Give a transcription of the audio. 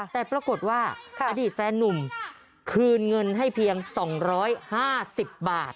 แต่ปรากฏว่าอดีตแฟนนุ่มคืนเงินให้เพียงสองร้อยห้าสิบบาท